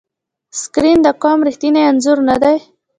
سکرین د قوم ریښتینی انځور نه دی.